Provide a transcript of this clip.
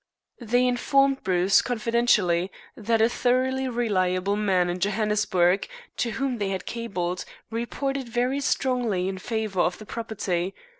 They informed Bruce confidentially that a thoroughly reliable man in Johannesburg, to whom they had cabled, reported very strongly in favor of the property.